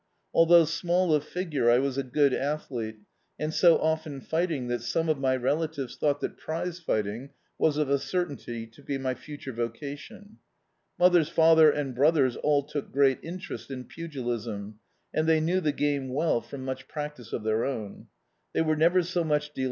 Although small of figure I was a good athlete, and so often fighting that some of my relatives tbou^t that prize fighting was of a certainty to be my future vocation. Mother's father and brothers all took great interest in pugilism, and they knew the game well from much practice of their own. They were never so much delisted tj] D,i.